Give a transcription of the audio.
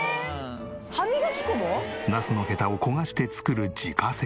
ナスのヘタを焦がして作る自家製。